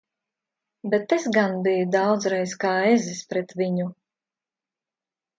Bet es gan biju daudzreiz kā ezis pret viņu!